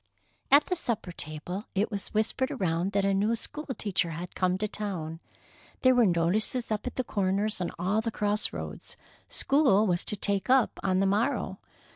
At the supper table it was whispered around that a new school teacher had come to town. There were notices up at the corners and all the cross roads. School was to "take up" on the morrow.